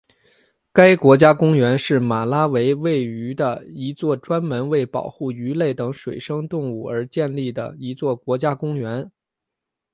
该国家公园是马拉维位于的一座专门为保护鱼类等水生动物而建立的一座国家公园。